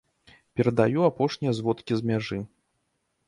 Перадаю апошнія зводкі з мяжы!